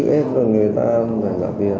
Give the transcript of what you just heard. ném chất bẩn gây sức ép cho người ta phải trả tiền